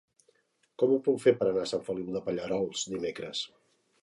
Com ho puc fer per anar a Sant Feliu de Pallerols dimecres?